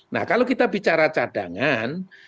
nah kalau kita bicara cadangan